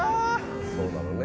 そうだろうね。